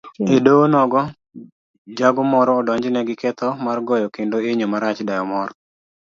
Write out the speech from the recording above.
Edoho onogo, jago moro odonjne giketho mar goyo kendo inyo marach dayo moro